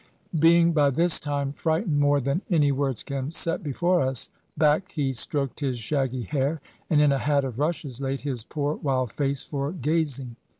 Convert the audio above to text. Being by this time frightened more than any words can set before us, back he stroked his shaggy hair, and in a hat of rushes laid his poor wild face for gazing.